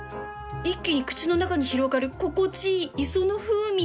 一気に口の中に広がる心地いい磯の風味